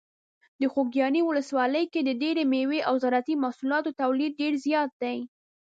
د خوږیاڼي ولسوالۍ کې د ډیری مېوې او زراعتي محصولاتو تولید ډیر زیات دی.